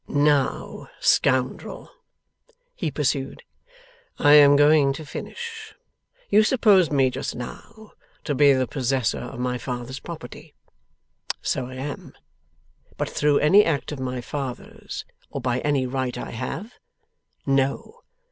'Now, scoundrel,' he pursued, 'I am going to finish. You supposed me just now, to be the possessor of my father's property. So I am. But through any act of my father's, or by any right I have? No.